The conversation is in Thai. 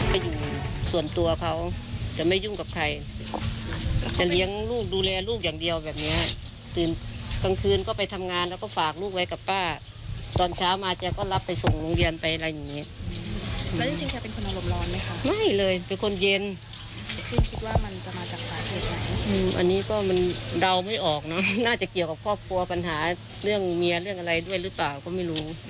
ครอบครัวปัญหาเรื่องเมียเรื่องอะไรด้วยหรือต่อก็ไม่รู้